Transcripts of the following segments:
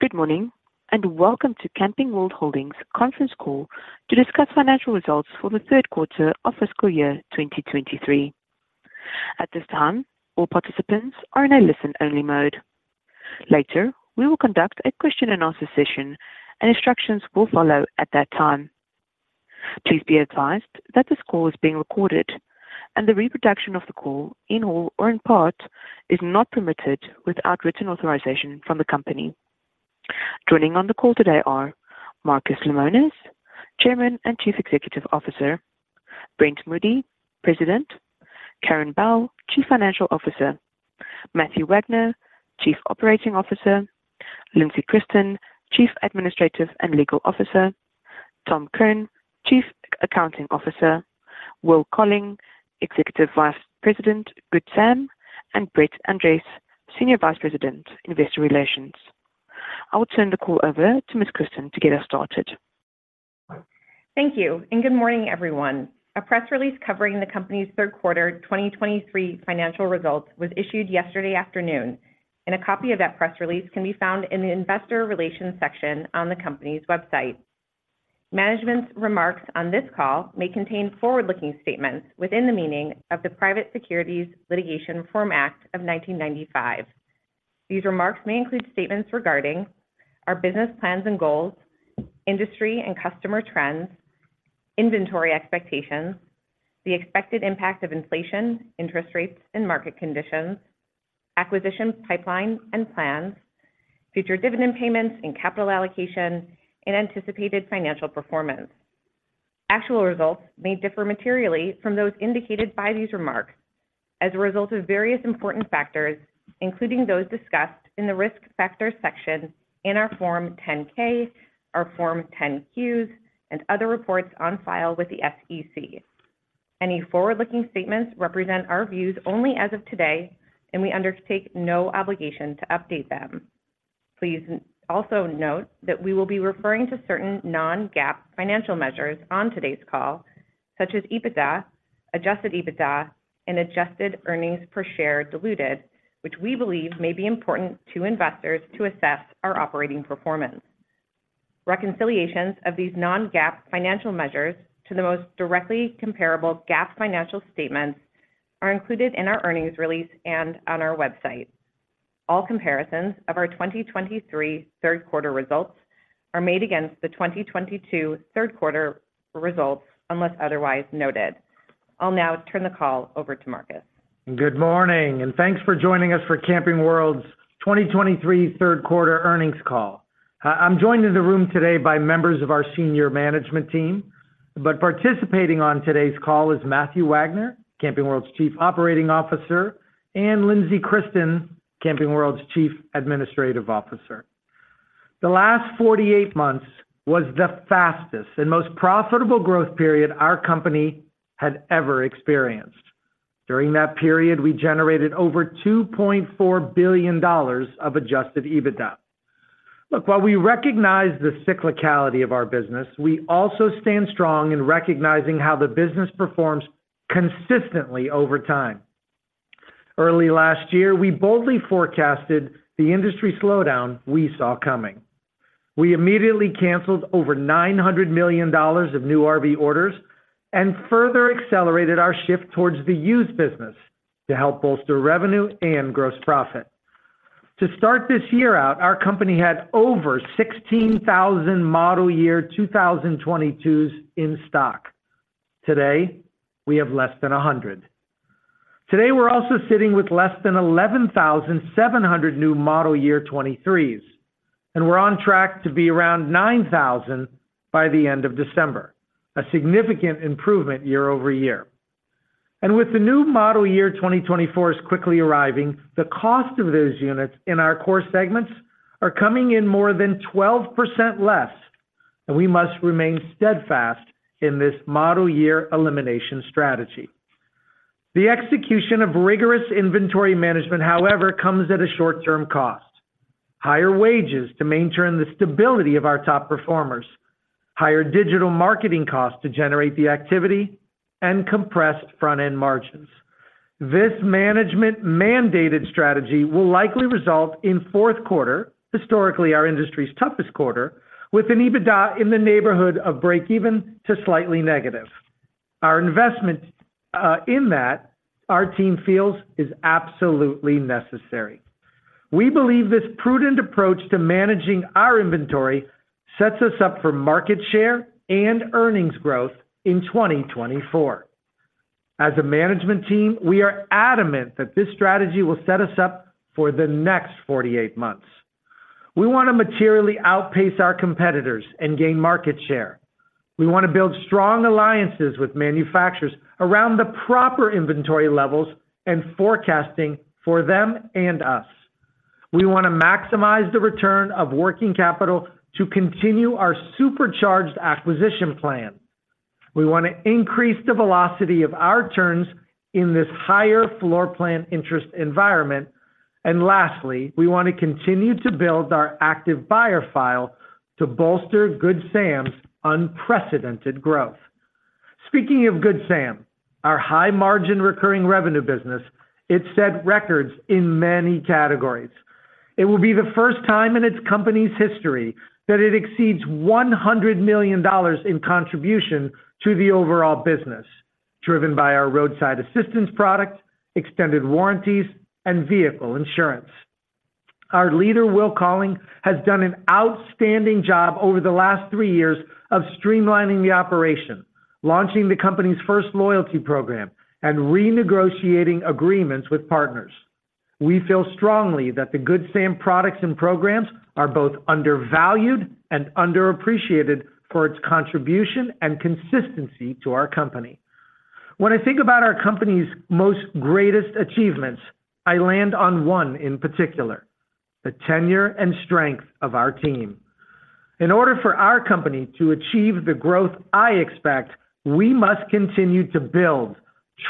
Good morning, and welcome to Camping World Holdings conference call to discuss financial results for the third quarter of fiscal year 2023. At this time, all participants are in a listen-only mode. Later, we will conduct a question-and-answer session, and instructions will follow at that time. Please be advised that this call is being recorded, and the reproduction of the call, in whole or in part, is not permitted without written authorization from the company. Joining on the call today are Marcus Lemonis, Chairman and Chief Executive Officer, Brent Moody, President, Karin Bell, Chief Financial Officer, Matthew Wagner, Chief Operating Officer, Lindsey Christen, Chief Administrative and Legal Officer, Tom Kirn, Chief Accounting Officer, Will Colling, Executive Vice President, Good Sam, and Brett Andress, Senior Vice President, Investor Relations. I will turn the call over to Ms. Christen to get us started. Thank you, and good morning, everyone. A press release covering the company's third quarter 2023 financial results was issued yesterday afternoon, and a copy of that press release can be found in the Investor Relations section on the company's website. Management's remarks on this call may contain forward-looking statements within the meaning of the Private Securities Litigation Reform Act of 1995. These remarks may include statements regarding our business plans and goals, industry and customer trends, inventory expectations, the expected impact of inflation, interest rates, and market conditions, acquisition pipeline and plans, future dividend payments and capital allocation, and anticipated financial performance. Actual results may differ materially from those indicated by these remarks as a result of various important factors, including those discussed in the Risk Factors section in our Form 10-K, our Form 10-Qs, and other reports on file with the SEC. Any forward-looking statements represent our views only as of today, and we undertake no obligation to update them. Please also note that we will be referring to certain non-GAAP financial measures on today's call, such as EBITDA, adjusted EBITDA, and adjusted earnings per share diluted, which we believe may be important to investors to assess our operating performance. Reconciliations of these non-GAAP financial measures to the most directly comparable GAAP financial statements are included in our earnings release and on our website. All comparisons of our 2023 third quarter results are made against the 2022 third quarter results, unless otherwise noted. I'll now turn the call over to Marcus. Good morning, and thanks for joining us for Camping World's 2023 third quarter earnings call. I'm joined in the room today by members of our senior management team, but participating on today's call is Matthew Wagner, Camping World's Chief Operating Officer, and Lindsey Christen, Camping World's Chief Administrative Officer. The last 48 months was the fastest and most profitable growth period our company has ever experienced. During that period, we generated over $2.4 billion of adjusted EBITDA. Look, while we recognize the cyclicality of our business, we also stand strong in recognizing how the business performs consistently over time. Early last year, we boldly forecasted the industry slowdown we saw coming. We immediately canceled over $900 million of new RV orders and further accelerated our shift towards the used business to help bolster revenue and gross profit. To start this year out, our company had over 16,000 model year 2022s in stock. Today, we have less than 100. Today, we're also sitting with less than 11,700 new model year 2023s, and we're on track to be around 9,000 by the end of December, a significant improvement year-over-year. And with the new model year 2024 is quickly arriving, the cost of those units in our core segments are coming in more than 12% less, and we must remain steadfast in this model year elimination strategy. The execution of rigorous inventory management, however, comes at a short-term cost: higher wages to maintain the stability of our top performers, higher digital marketing costs to generate the activity, and compressed front-end margins. This management-mandated strategy will likely result in fourth quarter, historically, our industry's toughest quarter, with an EBITDA in the neighborhood of breakeven to slightly negative. Our investment, in that, our team feels, is absolutely necessary. We believe this prudent approach to managing our inventory sets us up for market share and earnings growth in 2024. As a management team, we are adamant that this strategy will set us up for the next 48 months. We want to materially outpace our competitors and gain market share. We want to build strong alliances with manufacturers around the proper inventory levels and forecasting for them and us. We want to maximize the return of working capital to continue our supercharged acquisition plan. We want to increase the velocity of our turns in this higher floor plan interest environment. Lastly, we want to continue to build our active buyer file to bolster Good Sam's unprecedented growth. Speaking of Good Sam, our high-margin recurring revenue business, it set records in many categories. It will be the first time in its company's history that it exceeds $100 million in contribution to the overall business, driven by our roadside assistance product, extended warranties, and vehicle insurance. Our leader, Will Colling, has done an outstanding job over the last three years of streamlining the operation, launching the company's first loyalty program, and renegotiating agreements with partners. We feel strongly that the Good Sam products and programs are both undervalued and underappreciated for its contribution and consistency to our company. When I think about our company's most greatest achievements, I land on one in particular: the tenure and strength of our team. In order for our company to achieve the growth I expect, we must continue to build,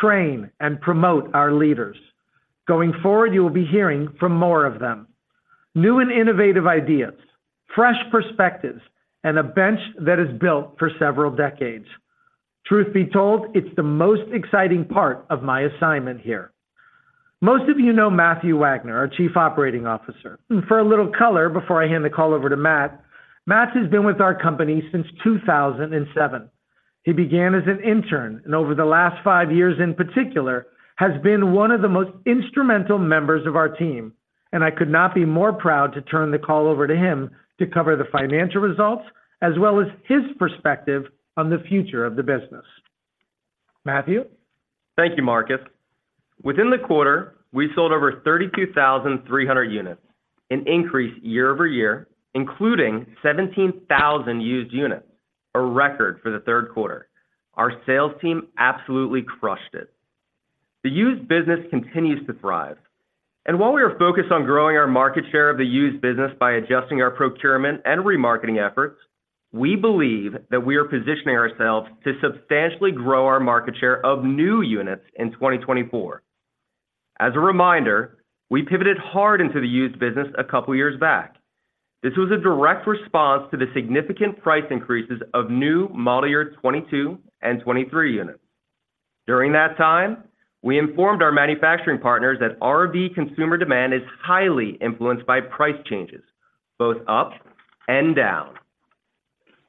train, and promote our leaders. Going forward, you will be hearing from more of them. New and innovative ideas, fresh perspectives, and a bench that is built for several decades. Truth be told, it's the most exciting part of my assignment here. Most of you know Matthew Wagner, our Chief Operating Officer. For a little color before I hand the call over to Matt, Matt has been with our company since 2007. He began as an intern, and over the last five years in particular, has been one of the most instrumental members of our team, and I could not be more proud to turn the call over to him to cover the financial results, as well as his perspective on the future of the business. Matthew? Thank you, Marcus. Within the quarter, we sold over 32,300 units, an increase year-over-year, including 17,000 used units, a record for the third quarter. Our sales team absolutely crushed it. The used business continues to thrive, and while we are focused on growing our market share of the used business by adjusting our procurement and remarketing efforts, we believe that we are positioning ourselves to substantially grow our market share of new units in 2024. As a reminder, we pivoted hard into the used business a couple of years back. This was a direct response to the significant price increases of new model year 2022 and 2023 units. During that time, we informed our manufacturing partners that RV consumer demand is highly influenced by price changes, both up and down.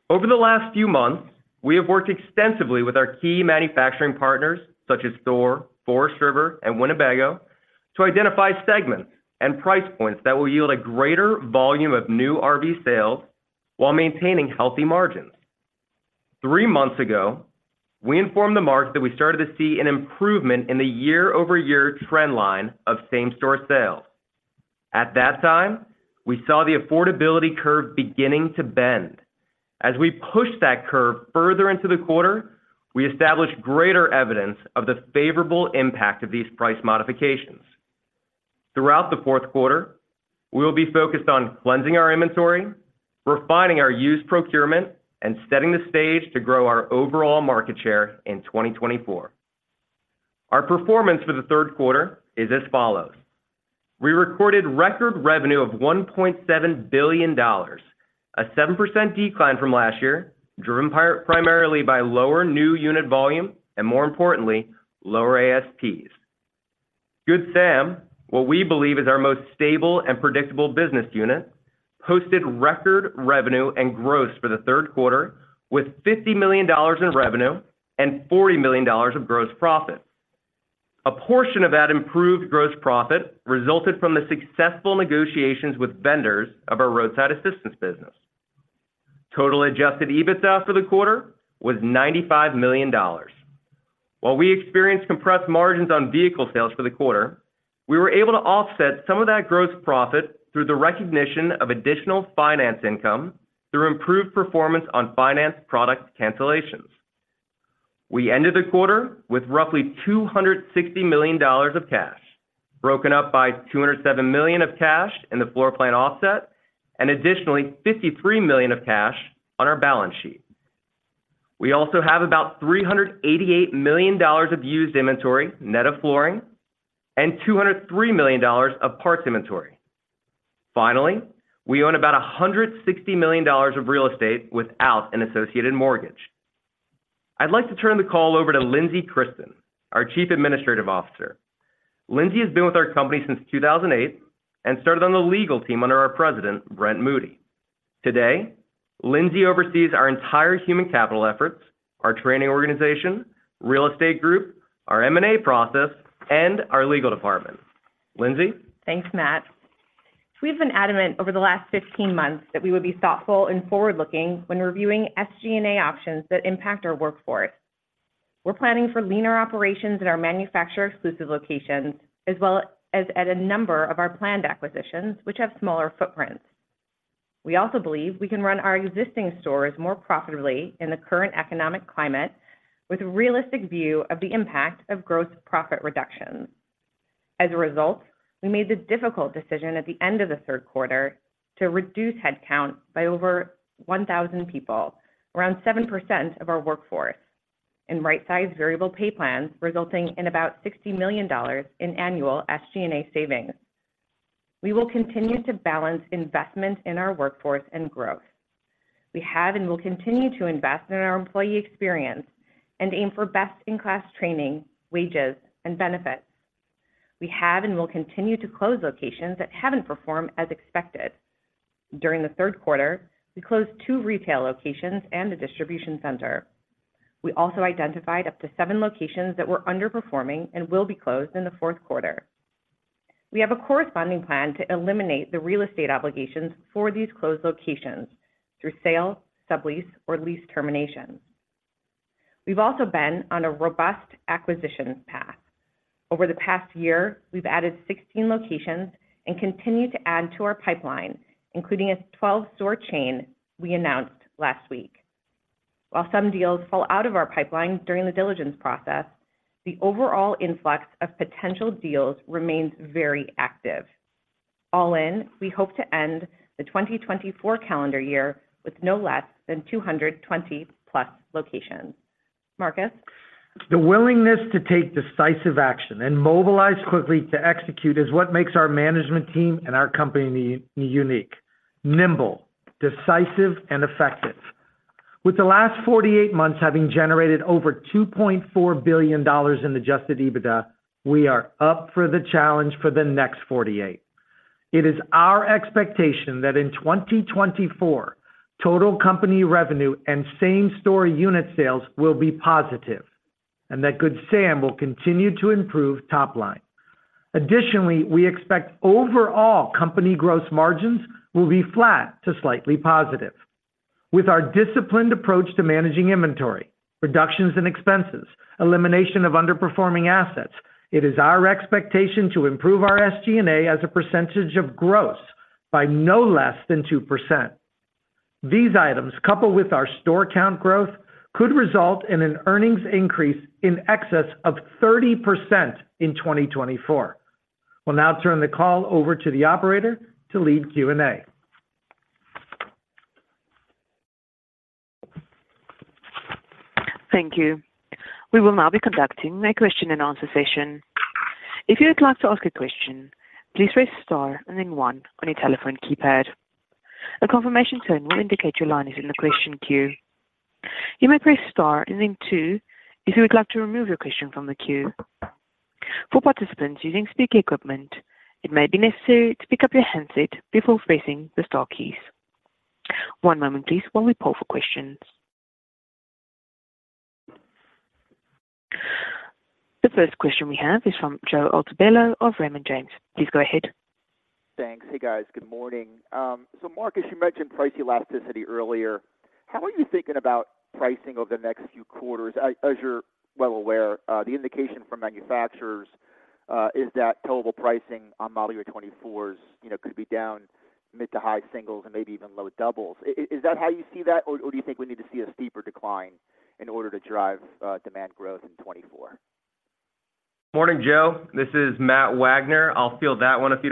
Over the last few months, we have worked extensively with our key manufacturing partners, such as THOR, Forest River, and Winnebago, to identify segments and price points that will yield a greater volume of new RV sales while maintaining healthy margins. Three months ago, we informed the market that we started to see an improvement in the year-over-year trend line of same-store sales. At that time, we saw the affordability curve beginning to bend. As we pushed that curve further into the quarter, we established greater evidence of the favorable impact of these price modifications. Throughout the fourth quarter, we will be focused on cleansing our inventory, refining our used procurement, and setting the stage to grow our overall market share in 2024. Our performance for the third quarter is as follows: We recorded record revenue of $1.7 billion, a 7% decline from last year, driven primarily by lower new unit volume and, more importantly, lower ASPs. Good Sam, what we believe is our most stable and predictable business unit, posted record revenue and gross for the third quarter with $50 million in revenue and $40 million of gross profit. A portion of that improved gross profit resulted from the successful negotiations with vendors of our roadside assistance business. Total adjusted EBITDA for the quarter was $95 million. While we experienced compressed margins on vehicle sales for the quarter, we were able to offset some of that gross profit through the recognition of additional finance income through improved performance on finance product cancellations. We ended the quarter with roughly $260 million of cash, broken up by $207 million of cash in the floor plan offset and additionally, $53 million of cash on our balance sheet. We also have about $388 million of used inventory, net of flooring, and $203 million of parts inventory. Finally, we own about $160 million of real estate without an associated mortgage. I'd like to turn the call over to Lindsey Christen, our Chief Administrative Officer. Lindsey has been with our company since 2008 and started on the legal team under our President, Brent Moody. Today, Lindsey oversees our entire human capital efforts, our training organization, real estate group, our M&A process, and our legal department. Lindsey? Thanks, Matt. We've been adamant over the last 15 months that we would be thoughtful and forward-looking when reviewing SG&A options that impact our workforce. We're planning for leaner operations in our manufacturer-exclusive locations, as well as at a number of our planned acquisitions, which have smaller footprints. We also believe we can run our existing stores more profitably in the current economic climate with a realistic view of the impact of gross profit reductions. As a result, we made the difficult decision at the end of the third quarter to reduce headcount by over 1,000 people, around 7% of our workforce, and right-size variable pay plans, resulting in about $60 million in annual SG&A savings.... We will continue to balance investment in our workforce and growth. We have and will continue to invest in our employee experience and aim for best-in-class training, wages, and benefits. We have and will continue to close locations that haven't performed as expected. During the third quarter, we closed two retail locations and a distribution center. We also identified up to seven locations that were underperforming and will be closed in the fourth quarter. We have a corresponding plan to eliminate the real estate obligations for these closed locations through sale, sublease, or lease termination. We've also been on a robust acquisition path. Over the past year, we've added 16 locations and continue to add to our pipeline, including a 12-store chain we announced last week. While some deals fall out of our pipeline during the diligence process, the overall influx of potential deals remains very active. All in, we hope to end the 2024 calendar year with no less than 220+ locations. Marcus? The willingness to take decisive action and mobilize quickly to execute is what makes our management team and our company unique, nimble, decisive, and effective. With the last 48 months having generated over $2.4 billion in adjusted EBITDA, we are up for the challenge for the next 48. It is our expectation that in 2024, total company revenue and same-store unit sales will be positive and that Good Sam will continue to improve top line. Additionally, we expect overall company gross margins will be flat to slightly positive. With our disciplined approach to managing inventory, reductions in expenses, elimination of underperforming assets, it is our expectation to improve our SG&A as a percentage of gross by no less than 2%. These items, coupled with our store count growth, could result in an earnings increase in excess of 30% in 2024. We'll now turn the call over to the operator to lead Q&A. Thank you. We will now be conducting a question-and-answer session. If you would like to ask a question, please press star and then one on your telephone keypad. A confirmation tone will indicate your line is in the question queue. You may press star and then two if you would like to remove your question from the queue. For participants using speaker equipment, it may be necessary to pick up your handset before pressing the star keys. One moment please while we poll for questions. The first question we have is from Joe Altobello of Raymond James. Please go ahead. Thanks. Hey, guys. Good morning. So Marcus, you mentioned price elasticity earlier. How are you thinking about pricing over the next few quarters? As you're well aware, the indication from manufacturers is that total pricing on model year 2024s, you know, could be down mid- to high singles and maybe even low doubles. Is that how you see that, or do you think we need to see a steeper decline in order to drive demand growth in 2024? Morning, Joe. This is Matt Wagner. I'll field that one, if you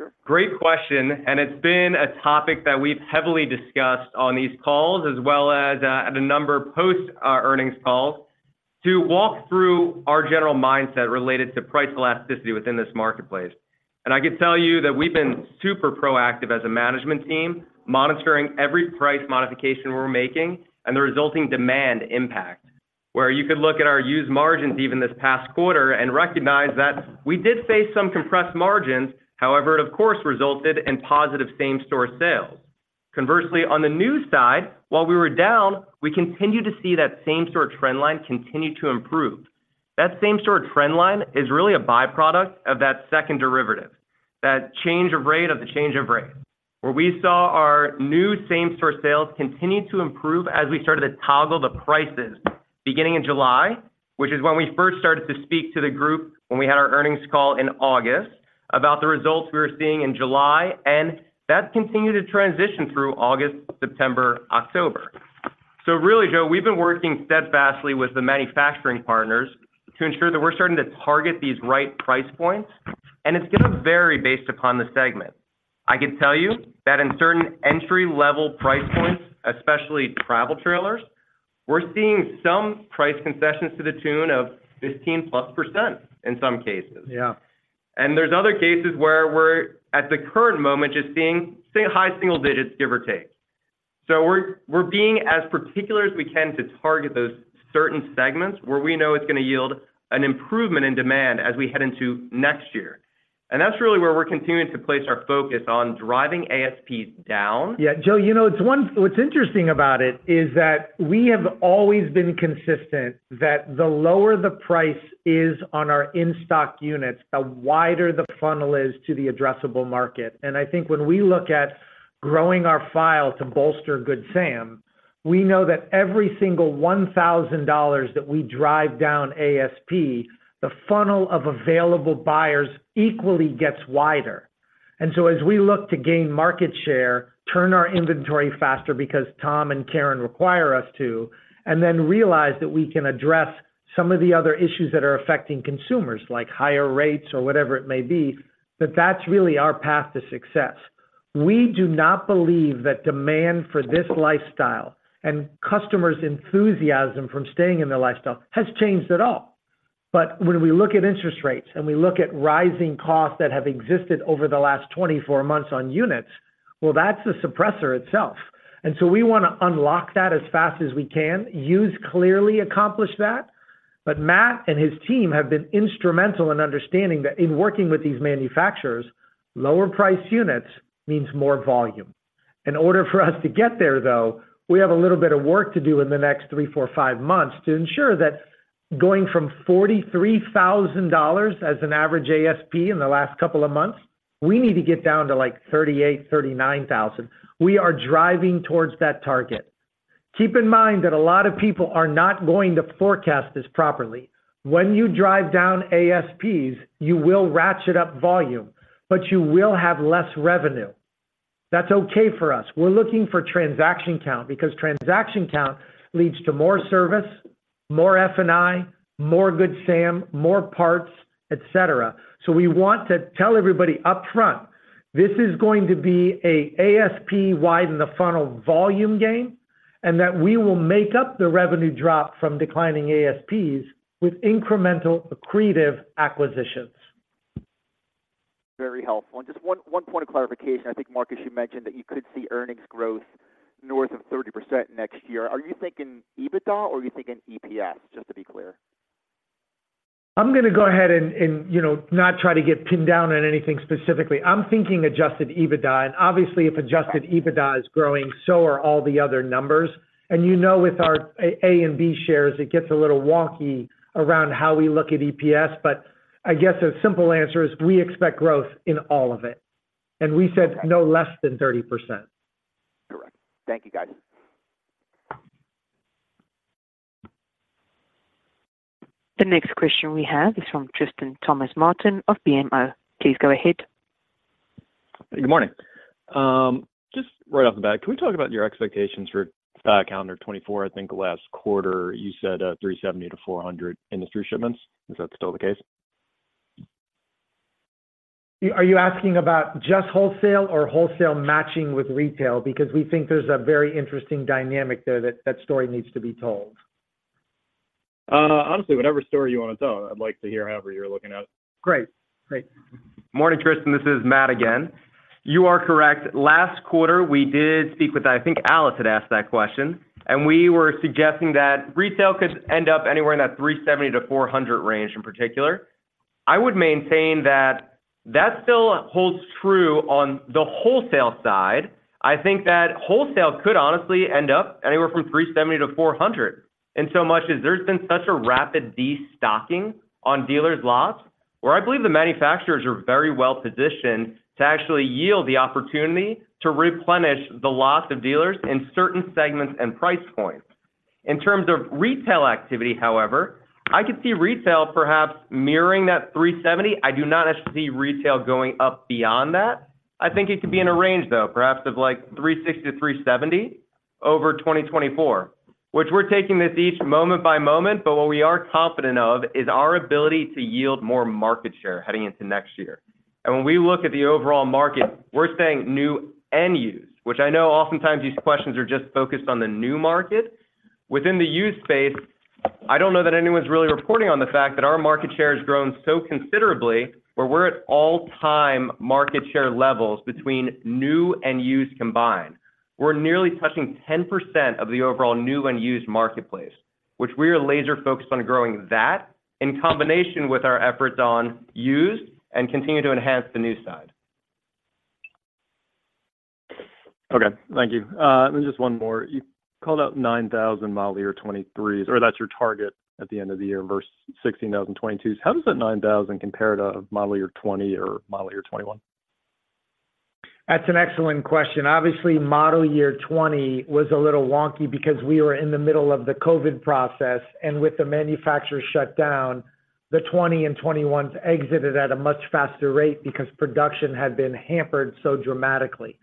don't mind? Sure. Great question, and it's been a topic that we've heavily discussed on these calls, as well as at a number of post earnings calls, to walk through our general mindset related to price elasticity within this marketplace. I can tell you that we've been super proactive as a management team, monitoring every price modification we're making and the resulting demand impact. Where you could look at our used margins, even this past quarter, and recognize that we did face some compressed margins. However, it of course resulted in positive same-store sales. Conversely, on the new side, while we were down, we continued to see that same-store trend line continue to improve. That same-store trend line is really a by-product of that second derivative, that change of rate of the change of rate. Where we saw our new same-store sales continue to improve as we started to toggle the prices beginning in July, which is when we first started to speak to the group, when we had our earnings call in August, about the results we were seeing in July, and that continued to transition through August, September, October. So really, Joe, we've been working steadfastly with the manufacturing partners to ensure that we're starting to target these right price points, and it's going to vary based upon the segment. I can tell you that in certain entry-level price points, especially travel trailers, we're seeing some price concessions to the tune of 15%+ in some cases. Yeah. There's other cases where we're, at the current moment, just seeing, say, high single digits, give or take. We're being as particular as we can to target those certain segments where we know it's going to yield an improvement in demand as we head into next year. That's really where we're continuing to place our focus on driving ASPs down. Yeah, Joe, you know, what's interesting about it is that we have always been consistent that the lower the price is on our in-stock units, the wider the funnel is to the addressable market. And I think when we look at growing our file to bolster Good Sam, we know that every single $1,000 that we drive down ASP, the funnel of available buyers equally gets wider. And so as we look to gain market share, turn our inventory faster because Tom and Karin require us to, and then realize that we can address some of the other issues that are affecting consumers, like higher rates or whatever it may be, that that's really our path to success. We do not believe that demand for this lifestyle and customers' enthusiasm from staying in the lifestyle has changed at all. But when we look at interest rates and we look at rising costs that have existed over the last 24 months on units, well, that's a suppressor itself. And so we want to unlock that as fast as we can. Used clearly accomplished that, but Matt and his team have been instrumental in understanding that in working with these manufacturers, lower priced units means more volume. In order for us to get there, though, we have a little bit of work to do in the next three, four, five months to ensure that going from $43,000 as an average ASP in the last couple of months, we need to get down to, like, $38,000-$39,000. We are driving towards that target. Keep in mind that a lot of people are not going to forecast this properly. When you drive down ASPs, you will ratchet up volume, but you will have less revenue. That's okay for us. We're looking for transaction count, because transaction count leads to more service, more F&I, more Good Sam, more parts, et cetera. So we want to tell everybody upfront, this is going to be a ASP widen the funnel volume game, and that we will make up the revenue drop from declining ASPs with incremental accretive acquisitions. Very helpful. Just one point of clarification. I think, Marcus, you mentioned that you could see earnings growth north of 30% next year. Are you thinking EBITDA or are you thinking EPS, just to be clear? I'm gonna go ahead and, you know, not try to get pinned down on anything specifically. I'm thinking adjusted EBITDA, and obviously, if adjusted EBITDA is growing, so are all the other numbers. And, you know, with our A and B shares, it gets a little wonky around how we look at EPS, but I guess the simple answer is we expect growth in all of it, and we said no less than 30%. You're right. Thank you, guys. The next question we have is from Tristan Thomas-Martin of BMO. Please go ahead. Good morning. Just right off the bat, can we talk about your expectations for stock calendar 2024? I think last quarter you said, 370-400 industry shipments. Is that still the case? Are you asking about just wholesale or wholesale matching with retail? Because we think there's a very interesting dynamic there, that story needs to be told. Honestly, whatever story you want to tell, I'd like to hear however you're looking at it. Great. Great. Morning, Tristan. This is Matt again. You are correct. Last quarter, we did speak with... I think Alice had asked that question, and we were suggesting that retail could end up anywhere in that 370-400 range in particular. I would maintain that that still holds true on the wholesale side. I think that wholesale could honestly end up anywhere from 370-400. Insomuch as there's been such a rapid destocking on dealers' lots, where I believe the manufacturers are very well positioned to actually yield the opportunity to replenish the lots of dealers in certain segments and price points. In terms of retail activity, however, I could see retail perhaps mirroring that 370. I do not necessarily see retail going up beyond that. I think it could be in a range, though, perhaps of like 360-370 over 2024, which we're taking this each moment by moment, but what we are confident of is our ability to yield more market share heading into next year. And when we look at the overall market, we're saying new and used, which I know oftentimes these questions are just focused on the new market. Within the used space, I don't know that anyone's really reporting on the fact that our market share has grown so considerably, where we're at all-time market share levels between new and used combined. We're nearly touching 10% of the overall new and used marketplace, which we are laser focused on growing that, in combination with our efforts on used and continue to enhance the new side. Okay, thank you. And just one more. You called out 9,000 model year 2023s, or that's your target at the end of the year versus 16,000 2022s. How does that 9,000 compare to model year 2020 or model year 2021? That's an excellent question. Obviously, model year 2020 was a little wonky because we were in the middle of the COVID process, and with the manufacturer shut down, the 2020 and 2021s exited at a much faster rate because production had been hampered so dramatically.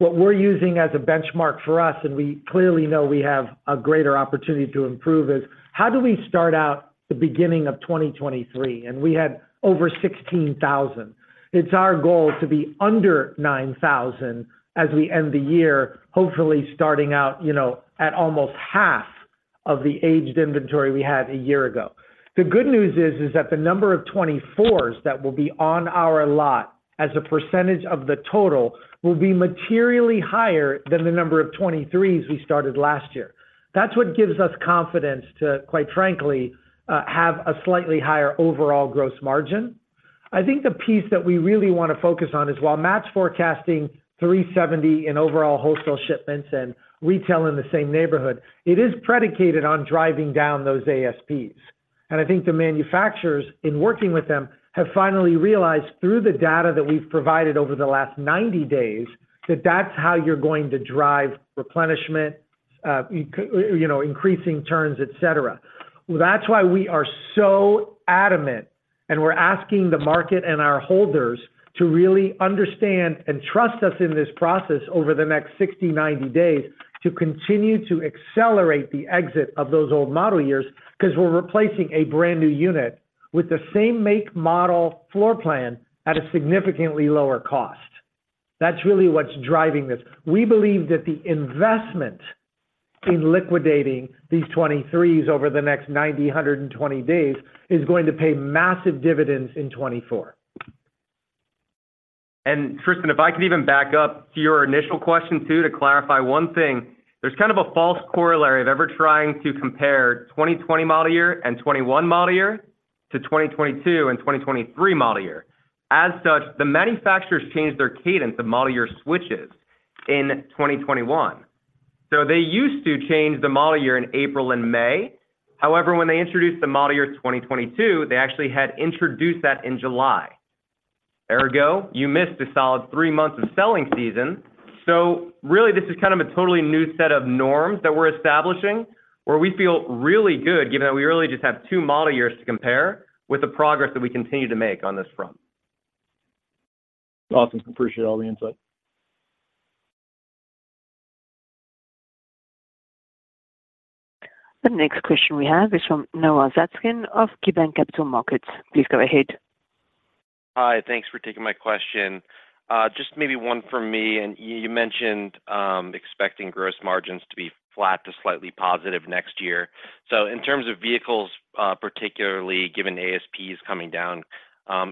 What we're using as a benchmark for us, and we clearly know we have a greater opportunity to improve, is how do we start out the beginning of 2023? We had over 16,000. It's our goal to be under 9,000 as we end the year, hopefully starting out, you know, at almost half of the aged inventory we had a year ago. The good news is, is that the number of 2024s that will be on our lot as a percentage of the total will be materially higher than the number of 2023s we started last year. That's what gives us confidence to, quite frankly, have a slightly higher overall gross margin. I think the piece that we really want to focus on is while Matt's forecasting 370 in overall wholesale shipments and retail in the same neighborhood, it is predicated on driving down those ASPs. And I think the manufacturers, in working with them, have finally realized through the data that we've provided over the last 90 days, that that's how you're going to drive replenishment, you know, increasing turns, et cetera. Well, that's why we are so adamant, and we're asking the market and our holders to really understand and trust us in this process over the next 60, 90 days to continue to accelerate the exit of those old model years, because we're replacing a brand-new unit ... with the same make, model, floor plan at a significantly lower cost. That's really what's driving this. We believe that the investment in liquidating these 2023s over the next 90-120 days is going to pay massive dividends in 2024. Tristan, if I could even back up to your initial question too, to clarify one thing. There's kind of a false corollary of ever trying to compare 2020 model year and 2021 model year to 2022 and 2023 model year. As such, the manufacturers changed their cadence of model year switches in 2021. So they used to change the model year in April and May. However, when they introduced the model year 2022, they actually had introduced that in July. Ergo, you missed a solid three months of selling season. So really, this is kind of a totally new set of norms that we're establishing, where we feel really good, given that we really just have two model years to compare with the progress that we continue to make on this front. Awesome. Appreciate all the insight. The next question we have is from Noah Zatzkin of KeyBanc Capital Markets. Please go ahead. Hi, thanks for taking my question. Just maybe one from me, and you mentioned expecting gross margins to be flat to slightly positive next year. So in terms of vehicles, particularly given ASP is coming down,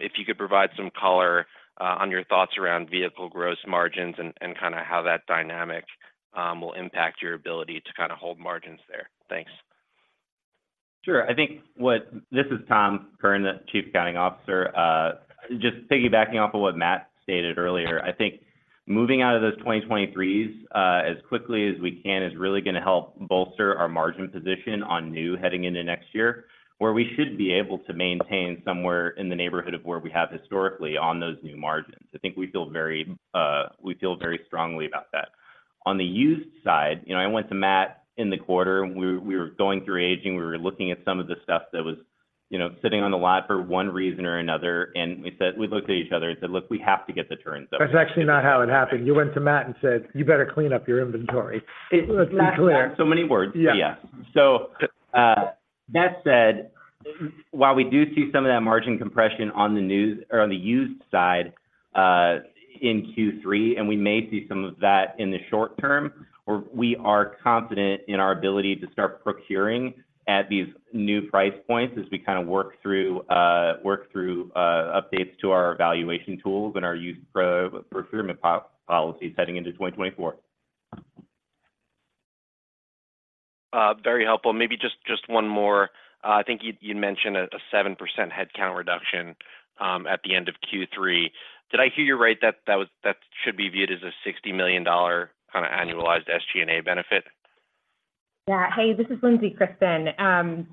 if you could provide some color on your thoughts around vehicle gross margins and, and kind of how that dynamic will impact your ability to kind of hold margins there? Thanks. Sure. I think what... This is Tom Kirn, the Chief Accounting Officer. Just piggybacking off of what Matt stated earlier, I think moving out of those 2023s, as quickly as we can is really going to help bolster our margin position on new heading into next year, where we should be able to maintain somewhere in the neighborhood of where we have historically on those new margins. I think we feel very, we feel very strongly about that. On the used side, you know, I went to Matt in the quarter, and we, we were going through aging, we were looking at some of the stuff that was, you know, sitting on the lot for one reason or another, and we said, we looked at each other and said, "Look, we have to get the turns up. That's actually not how it happened. You went to Matt and said, "You better clean up your inventory." It was that clear. So many words. Yeah. Yes. So, that said, while we do see some of that margin compression on the news or on the used side, in Q3, and we may see some of that in the short term, we are confident in our ability to start procuring at these new price points as we kind of work through updates to our evaluation tools and our used procurement policy heading into 2024. Very helpful. Maybe just one more. I think you mentioned a 7% headcount reduction at the end of Q3. Did I hear you right, that should be viewed as a $60 million kind of annualized SG&A benefit? Yeah. Hey, this is Lindsey, Tristan.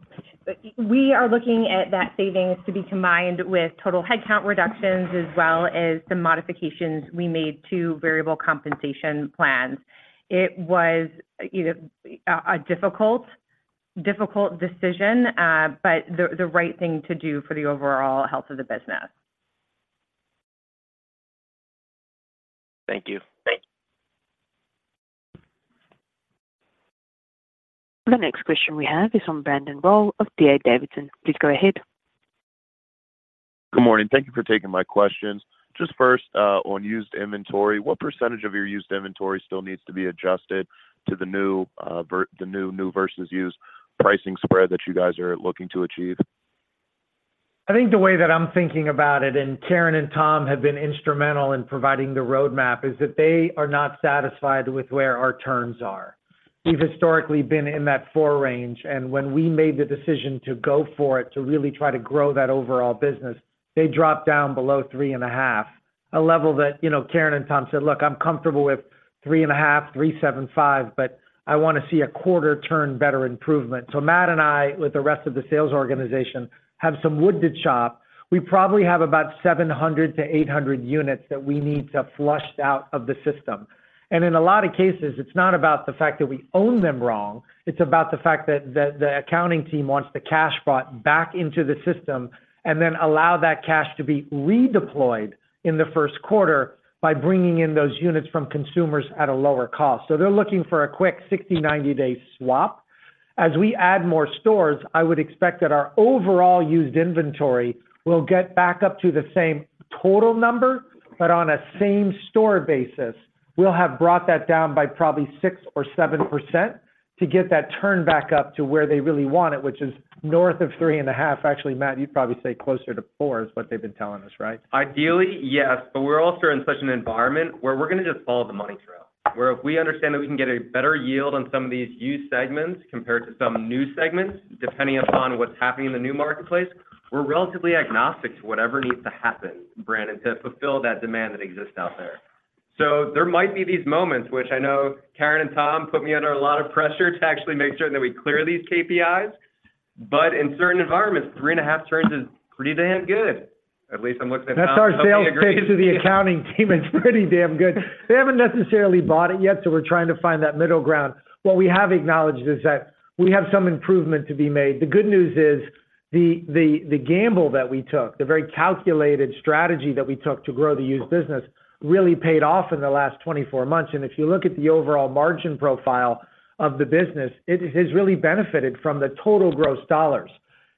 We are looking at that savings to be combined with total headcount reductions, as well as the modifications we made to variable compensation plans. It was, you know, a difficult decision, but the right thing to do for the overall health of the business. Thank you. Thanks. The next question we have is on Brandon Rolle of D.A. Davidson. Please go ahead. Good morning. Thank you for taking my questions. Just first, on used inventory, what percentage of your used inventory still needs to be adjusted to the new, the new versus used pricing spread that you guys are looking to achieve? I think the way that I'm thinking about it, and Karin and Tom have been instrumental in providing the roadmap, is that they are not satisfied with where our turns are. We've historically been in that four range, and when we made the decision to go for it, to really try to grow that overall business, they dropped down below 3.5. A level that, you know, Karin and Tom said: Look, I'm comfortable with 3.5, 3.75, but I want to see a quarter turn better improvement. So Matt and I, with the rest of the sales organization, have some wood to chop. We probably have about 700-800 units that we need to flushed out of the system. In a lot of cases, it's not about the fact that we own them wrong, it's about the fact that the accounting team wants the cash brought back into the system, and then allow that cash to be redeployed in the first quarter by bringing in those units from consumers at a lower cost. So they're looking for a quick 60, 90-day swap. As we add more stores, I would expect that our overall used inventory will get back up to the same total number, but on a same store basis, we'll have brought that down by probably 6% or 7% to get that turn back up to where they really want it, which is north of 3.5. Actually, Matt, you'd probably say closer to four, is what they've been telling us, right? Ideally, yes, but we're also in such an environment where we're going to just follow the money trail. Where if we understand that we can get a better yield on some of these used segments compared to some new segments, depending upon what's happening in the new marketplace, we're relatively agnostic to whatever needs to happen, Brandon, to fulfill that demand that exists out there. So there might be these moments which I know Karin and Tom put me under a lot of pressure to actually make sure that we clear these KPIs, but in certain environments, 3.5 turns is pretty damn good. At least I'm looking at- That's our sales pitch to the accounting team. It's pretty damn good. They haven't necessarily bought it yet, so we're trying to find that middle ground. What we have acknowledged is that we have some improvement to be made. The good news is, the gamble that we took, the very calculated strategy that we took to grow the used business, really paid off in the last 24 months. And if you look at the overall margin profile of the business, it has really benefited from the total gross dollars.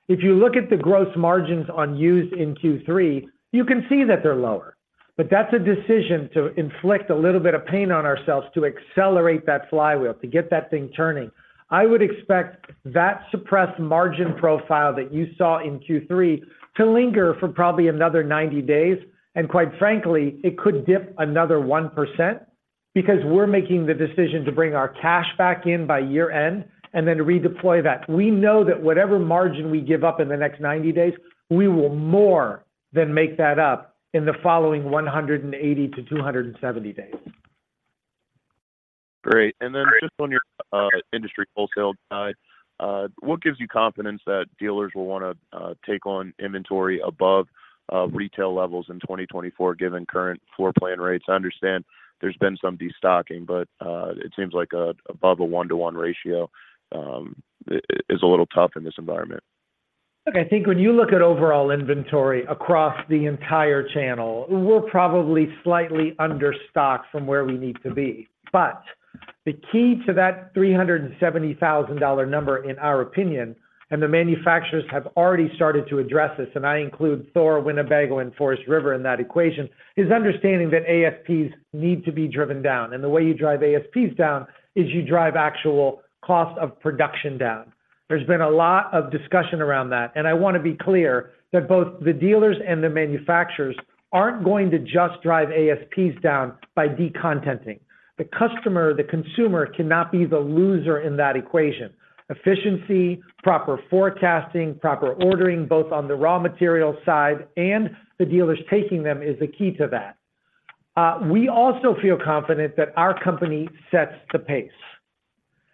If you look at the gross margins on used in Q3, you can see that they're lower. But that's a decision to inflict a little bit of pain on ourselves to accelerate that flywheel, to get that thing turning. I would expect that suppressed margin profile that you saw in Q3 to linger for probably another 90 days, and quite frankly, it could dip another 1%, because we're making the decision to bring our cash back in by year-end and then redeploy that. We know that whatever margin we give up in the next 90 days, we will more than make that up in the following 180-270 days. Great. And then just on your industry wholesale side, what gives you confidence that dealers will wanna take on inventory above retail levels in 2024, given current floor plan rates? I understand there's been some destocking, but it seems like above a 1-to-1 ratio is a little tough in this environment. Look, I think when you look at overall inventory across the entire channel, we're probably slightly understocked from where we need to be. But the key to that $370,000 number in our opinion, and the manufacturers have already started to address this, and I include THOR, Winnebago, and Forest River in that equation, is understanding that ASPs need to be driven down, and the way you drive ASPs down is you drive actual cost of production down. There's been a lot of discussion around that, and I wanna be clear that both the dealers and the manufacturers aren't going to just drive ASPs down by decontenting. The customer, the consumer, cannot be the loser in that equation. Efficiency, proper forecasting, proper ordering, both on the raw material side and the dealers taking them, is the key to that. We also feel confident that our company sets the pace,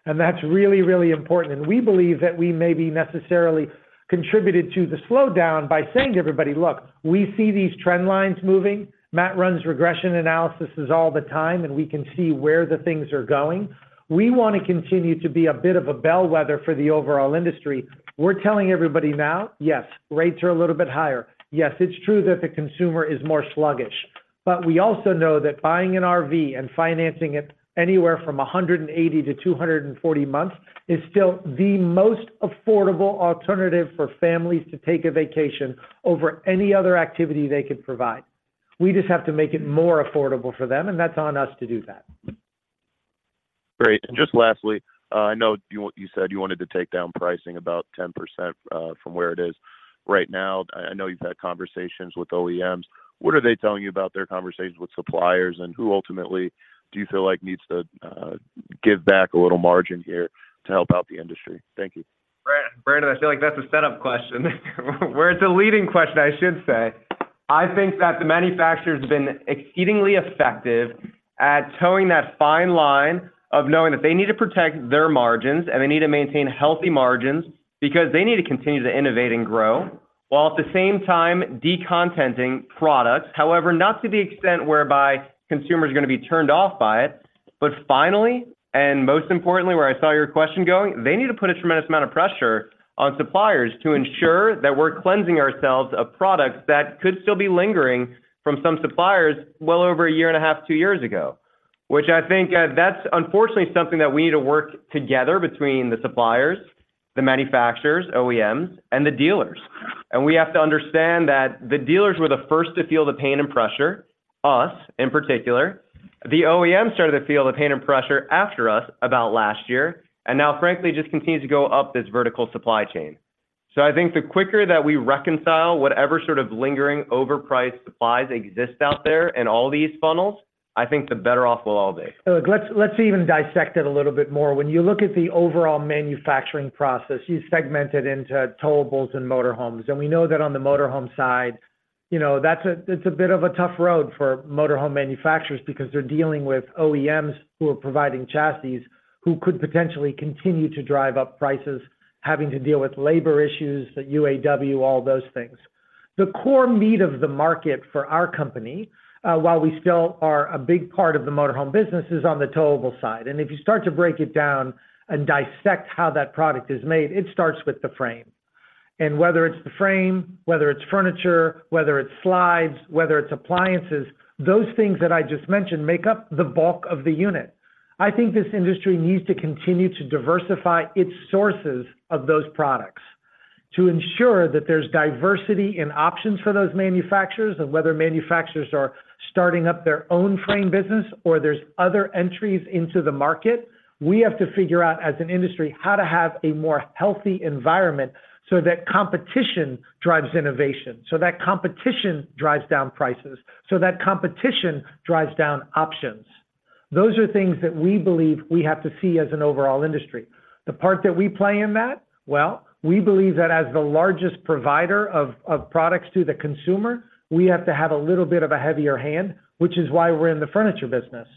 and that's really, really important. And we believe that we may be necessarily contributed to the slowdown by saying to everybody, "Look, we see these trend lines moving." Matt runs regression analysis all the time, and we can see where the things are going. We wanna continue to be a bit of a bellwether for the overall industry. We're telling everybody now, yes, rates are a little bit higher. Yes, it's true that the consumer is more sluggish. But we also know that buying an RV and financing it anywhere from 180-240 months is still the most affordable alternative for families to take a vacation over any other activity they could provide. We just have to make it more affordable for them, and that's on us to do that. Great. And just lastly, I know you want—you said you wanted to take down pricing about 10%, from where it is right now. I know you've had conversations with OEMs. What are they telling you about their conversations with suppliers, and who ultimately do you feel like needs to give back a little margin here to help out the industry? Thank you. Brandon, I feel like that's a setup question. Or it's a leading question, I should say. I think that the manufacturer's been exceedingly effective at towing that fine line of knowing that they need to protect their margins, and they need to maintain healthy margins because they need to continue to innovate and grow, while at the same time, decontenting products. However, not to the extent whereby consumers are gonna be turned off by it. But finally, and most importantly, where I saw your question going, they need to put a tremendous amount of pressure on suppliers to ensure that we're cleansing ourselves of products that could still be lingering from some suppliers well over a year and a half, two years ago, which I think, that's unfortunately something that we need to work together between the suppliers, the manufacturers, OEMs, and the dealers. We have to understand that the dealers were the first to feel the pain and pressure, us, in particular. The OEMs started to feel the pain and pressure after us about last year, and now, frankly, just continues to go up this vertical supply chain. So I think the quicker that we reconcile whatever sort of lingering overpriced supplies exist out there in all these funnels, I think the better off we'll all be. Look, let's, let's even dissect it a little bit more. When you look at the overall manufacturing process, you segment it into towables and motorhomes. And we know that on the motorhome side, you know, that's a, it's a bit of a tough road for motor home manufacturers because they're dealing with OEMs who are providing chassis, who could potentially continue to drive up prices, having to deal with labor issues, the UAW, all those things. The core meat of the market for our company, while we still are a big part of the motorhome business, is on the towable side. And if you start to break it down and dissect how that product is made, it starts with the frame. And whether it's the frame, whether it's furniture, whether it's slides, whether it's appliances, those things that I just mentioned make up the bulk of the unit. I think this industry needs to continue to diversify its sources of those products to ensure that there's diversity in options for those manufacturers. And whether manufacturers are starting up their own frame business or there's other entries into the market, we have to figure out, as an industry, how to have a more healthy environment so that competition drives innovation, so that competition drives down prices, so that competition drives down options. Those are things that we believe we have to see as an overall industry. The part that we play in that? Well, we believe that as the largest provider of products to the consumer, we have to have a little bit of a heavier hand, which is why we're in the furniture business,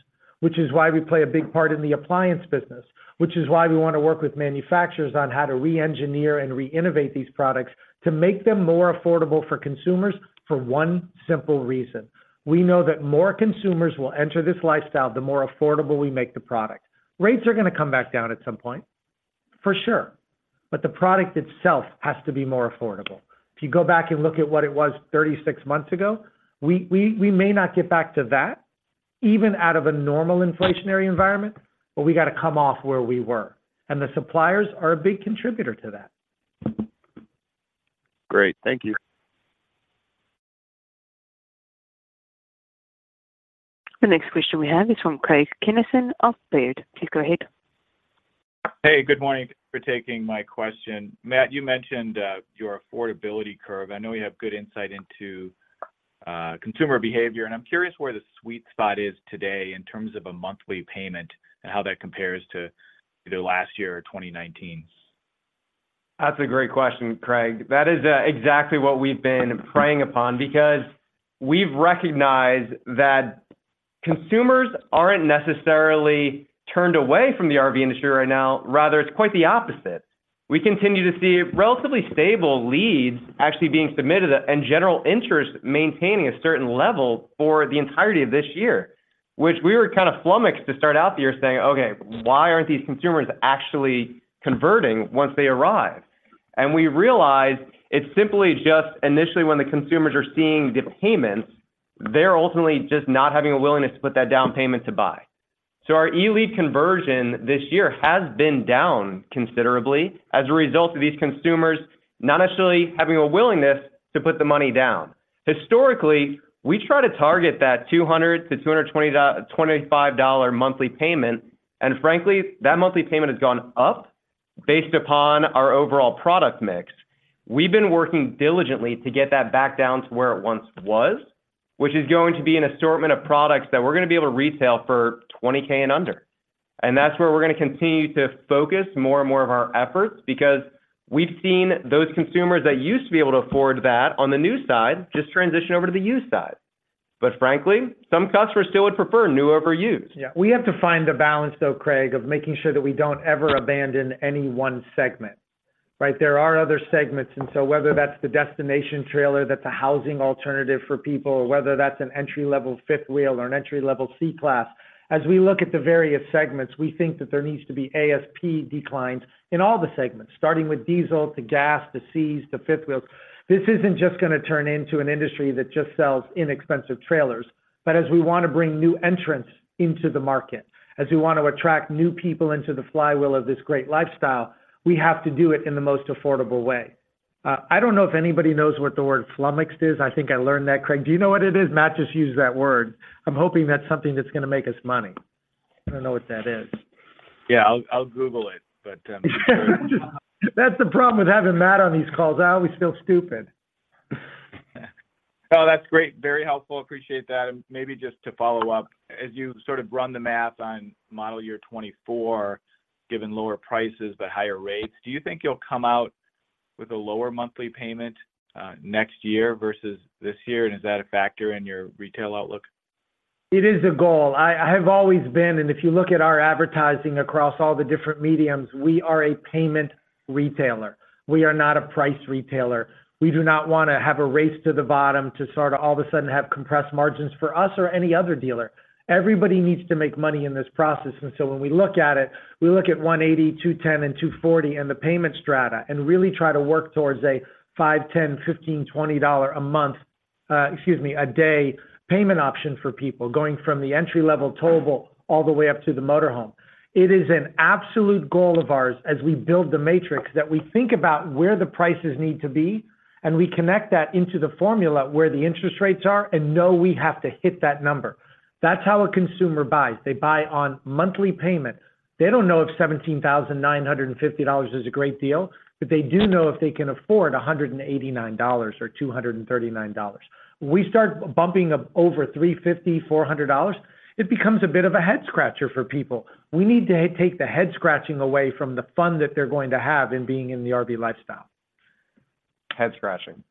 which is why we play a big part in the appliance business, which is why we wanna work with manufacturers on how to re-engineer and re-innovate these products to make them more affordable for consumers for one simple reason: We know that more consumers will enter this lifestyle, the more affordable we make the product. Rates are gonna come back down at some point, for sure, but the product itself has to be more affordable. If you go back and look at what it was 36 months ago, we may not get back to that... Even out of a normal inflationary environment, but we got to come off where we were, and the suppliers are a big contributor to that. Great. Thank you. The next question we have is from Craig Kennison of Baird. Please go ahead. Hey, good morning, for taking my question. Matt, you mentioned your affordability curve. I know you have good insight into consumer behavior, and I'm curious where the sweet spot is today in terms of a monthly payment and how that compares to, you know, last year or 2019. That's a great question, Craig. That is exactly what we've been preying upon, because we've recognized that consumers aren't necessarily turned away from the RV industry right now, rather, it's quite the opposite. We continue to see relatively stable leads actually being submitted and general interest maintaining a certain level for the entirety of this year, which we were kind of flummoxed to start out the year saying, "Okay, why aren't these consumers actually converting once they arrive?" And we realized it's simply just initially when the consumers are seeing the payments, they're ultimately just not having a willingness to put that down payment to buy. So our e-lead conversion this year has been down considerably as a result of these consumers not necessarily having a willingness to put the money down. Historically, we try to target that $200-$225 monthly payment, and frankly, that monthly payment has gone up based upon our overall product mix. We've been working diligently to get that back down to where it once was, which is going to be an assortment of products that we're gonna be able to retail for $20K and under. And that's where we're gonna continue to focus more and more of our efforts, because we've seen those consumers that used to be able to afford that on the new side, just transition over to the used side. But frankly, some customers still would prefer new over used. Yeah, we have to find a balance, though, Craig, of making sure that we don't ever abandon any one segment. Right? There are other segments, and so whether that's the destination trailer, that's a housing alternative for people, or whether that's an entry-level fifth wheel or an entry-level C class. As we look at the various segments, we think that there needs to be ASP declines in all the segments, starting with diesel, to gas, to Cs, to fifth wheels. This isn't just gonna turn into an industry that just sells inexpensive trailers. But as we want to bring new entrants into the market, as we want to attract new people into the flywheel of this great lifestyle, we have to do it in the most affordable way. I don't know if anybody knows what the word flummoxed is. I think I learned that, Craig. Do you know what it is? Matt just used that word. I'm hoping that's something that's gonna make us money. I don't know what that is. Yeah, I'll Google it, but, That's the problem with having Matt on these calls. I always feel stupid. Oh, that's great. Very helpful. Appreciate that. And maybe just to follow-up, as you sort of run the math on model year 2024, given lower prices but higher rates, do you think you'll come out with a lower monthly payment next year versus this year? And is that a factor in your retail outlook? It is a goal. I, I have always been, and if you look at our advertising across all the different mediums, we are a payment retailer. We are not a price retailer. We do not want to have a race to the bottom to sort of all of a sudden have compressed margins for us or any other dealer. Everybody needs to make money in this process, and so when we look at it, we look at $180, $210, and $240 and the payment strata and really try to work towards a $5, $10, $15, $20 a month, excuse me, a day payment option for people, going from the entry-level towable all the way up to the motorhome. It is an absolute goal of ours as we build the matrix, that we think about where the prices need to be, and we connect that into the formula where the interest rates are and know we have to hit that number. That's how a consumer buys. They buy on monthly payment. They don't know if $17,950 is a great deal, but they do know if they can afford $189 or $239. We start bumping up over $350, $400, it becomes a bit of a head scratcher for people. We need to take the head scratching away from the fun that they're going to have in being in the RV lifestyle. Head scratching.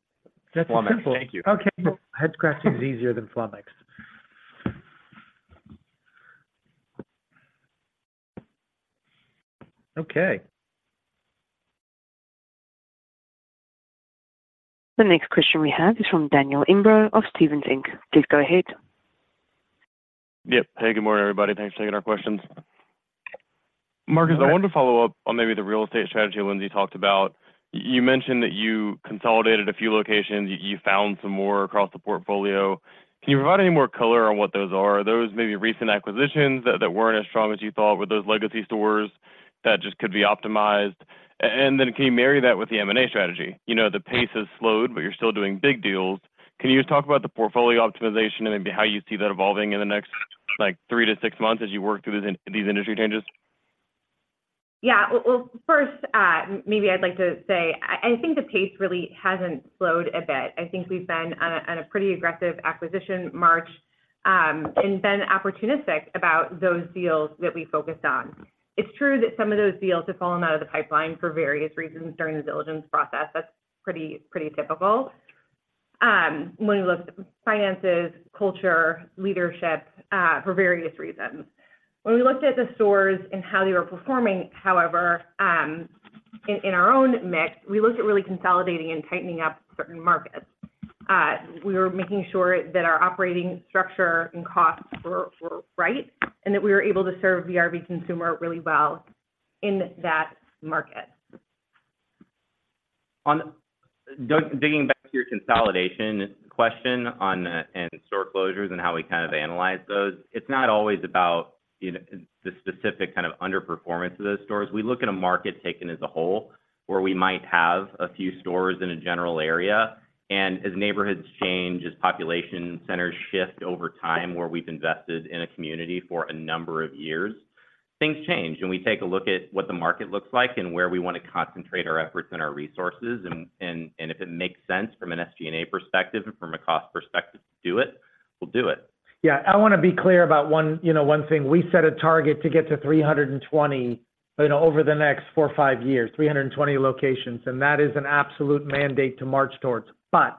That's simple. Thank you. Okay. Head scratching is easier than flummoxed. Okay. The next question we have is from Daniel Imbro of Stephens Inc Please go ahead. Yep. Hey, good morning, everybody. Thanks for taking our questions. Marcus, I wanted to follow-up on maybe the real estate strategy Lindsey talked about. You mentioned that you consolidated a few locations, you found some more across the portfolio. Can you provide any more color on what those are? Are those maybe recent acquisitions that weren't as strong as you thought? Were those legacy stores that just could be optimized? And then can you marry that with the M&A strategy? You know, the pace has slowed, but you're still doing big deals. Can you just talk about the portfolio optimization and maybe how you see that evolving in the next, like, three to six months as you work through these industry changes? Yeah. Well, first, maybe I'd like to say, I think the pace really hasn't slowed a bit. I think we've been on a pretty aggressive acquisition march, and been opportunistic about those deals that we focused on. It's true that some of those deals have fallen out of the pipeline for various reasons during the diligence process. That's pretty typical. When we looked at finances, culture, leadership, for various reasons. When we looked at the stores and how they were performing, however, in our own mix, we looked at really consolidating and tightening up certain markets. We were making sure that our operating structure and costs were right, and that we were able to serve the RV consumer really well in that market.... On digging back to your consolidation question on, and store closures and how we kind of analyze those, it's not always about, you know, the specific kind of underperformance of those stores. We look at a market taken as a whole, where we might have a few stores in a general area, and as neighborhoods change, as population centers shift over time, where we've invested in a community for a number of years, things change. And we take a look at what the market looks like and where we want to concentrate our efforts and our resources, and if it makes sense from an SG&A perspective and from a cost perspective to do it, we'll do it. Yeah, I wanna be clear about one, you know, one thing. We set a target to get to 320, you know, over the next four to five years, 320 locations, and that is an absolute mandate to march towards. But